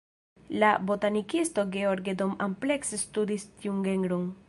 La botanikisto George Don amplekse studis tiun genron.